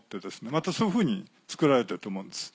またそういうふうに作られてると思うんです。